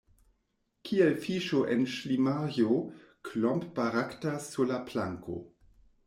Kiel fiŝo en ŝlimajo Klomp baraktas sur la planko.